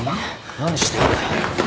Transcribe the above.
何してんだよ？